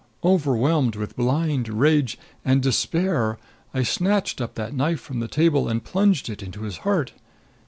Overwhelmed with blind rage and despair, I snatched up that knife from the table and plunged it into his heart.